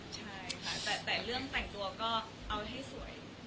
ใช่ค่ะแต่เรื่องแต่งตัวก็เอาให้สวย